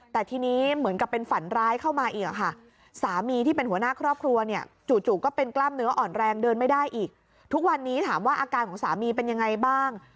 แต่ทีนี้เหมือนกับเป็นฝันร้ายเข้ามาอีกค่ะสามีที่เป็นหัวหน้าครอบครัวเนี่ยจู่ก็เป็นกล้ามเนื้ออ่อนแรงเดินไม่ได้อีกทุกวันนี้ถามว่าอาการของสามีเป็นยังไงบ้าง